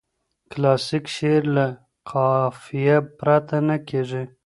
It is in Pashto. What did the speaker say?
کلاسیک شعر له قافیه پرته نه کیږي.